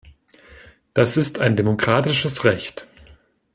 Das ist ein demokratisches Recht.